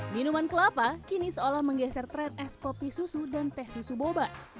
minuman kelapa kini seolah menggeser tren es kopi susu dan teh susu boba